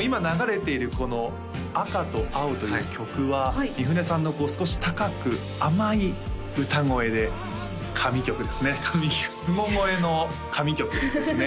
今流れているこの「赤と青」という曲は三船さんのこう少し高く甘い歌声で神曲ですね神曲すご声の神曲ですね